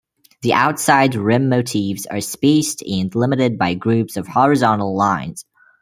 The outside rim motifs are spaced and limited by groups of horizontal lines.